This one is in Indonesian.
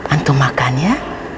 antum makan ya